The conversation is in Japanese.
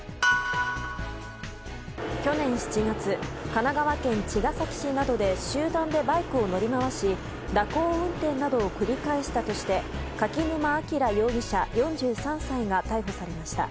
去年７月神奈川県茅ヶ崎市などで集団でバイクを乗り回し蛇行運転などを繰り返したとして柿沼明容疑者、４３歳が逮捕されました。